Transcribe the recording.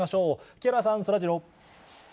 木原さん、そらジロー。